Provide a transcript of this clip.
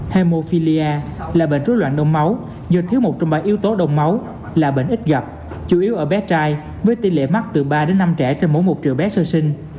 henophilia là bệnh rối loạn đông máu do thiếu một trong ba yếu tố đầu máu là bệnh ít gặp chủ yếu ở bé trai với tỷ lệ mắc từ ba đến năm trẻ trên mỗi một triệu bé sơ sinh